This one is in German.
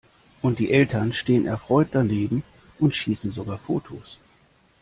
Und die Eltern stehen erfreut daneben und schießen sogar Fotos!